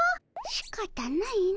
しかたないの。